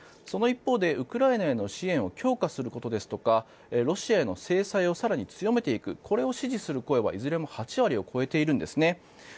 その一方でウクライナへの支援を強化することですとかロシアへの制裁を更に強めていくこれを支持する声はいずれも８割を超えているんですね。